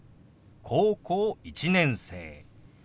「高校１年生」。